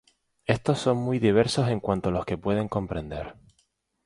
Estos son muy diversos en cuánto a lo que pueden comprender.